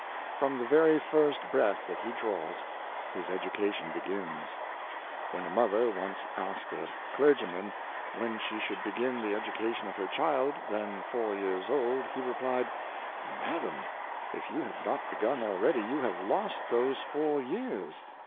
From the very first breath that he ' draws, his education begins. When a mother once asked a clergyman when she should begin the educa tion of her child, then four years old, he replied: "Mad am, if you have not begun already, you have lost those four years.